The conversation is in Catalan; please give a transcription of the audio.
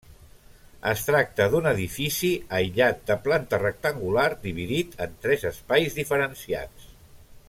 Es tracta d'un edifici aïllat de planta rectangular dividit en tres espais diferenciats.